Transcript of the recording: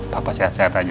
papa sehat sehat aja ya